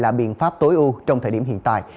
là biện pháp tối ưu trong thời điểm hiện tại